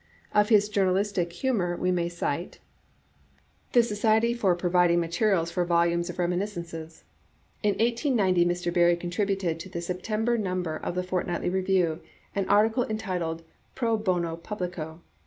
Of his journalistic humor, we may cite: The Society for Providing Materials for Volumes of Remi niscences, — In 1890 Mr. Barrie contributed to the Sep tember number of the Fortnightly Review an article en titled Pro Bono Publico.